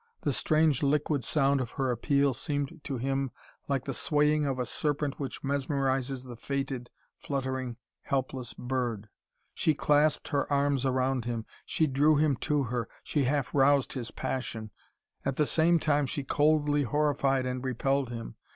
The strange liquid sound of her appeal seemed to him like the swaying of a serpent which mesmerises the fated, fluttering, helpless bird. She clasped her arms round him, she drew him to her, she half roused his passion. At the same time she coldly horrified and repelled him.